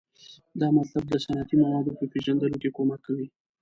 دا مطالب د صنعتي موادو په پیژندلو کې کومک کوي.